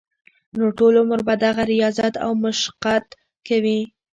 نو ټول عمر به دغه رياضت او مشقت کوي -